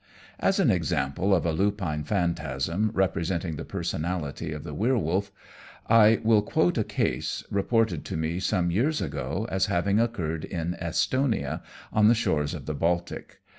As an example of a lupine phantasm representing the personality of the werwolf, I will quote a case, reported to me some years ago as having occurred in Estonia, on the shores of the Baltic.